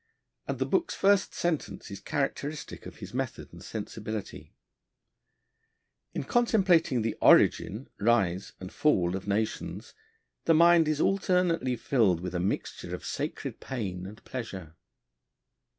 and the book's first sentence is characteristic of his method and sensibility: 'In contemplating the origin, rise, and fall of nations, the mind is alternately filled with a mixture of sacred pain and pleasure.'